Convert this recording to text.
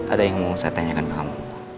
ada yang mau saya tanyakan ke kamu